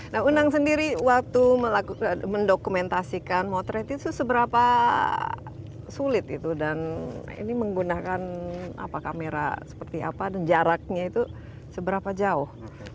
nah undang sendiri waktu mendokumentasikan motret itu seberapa sulit itu dan ini menggunakan apa kamera seperti apa dan jaraknya itu seberapa jauh